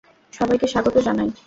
সবাইকে স্বাগত জানাই।